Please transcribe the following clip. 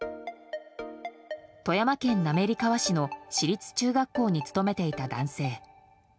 富山県滑川市の市立中学校に勤めていた男性。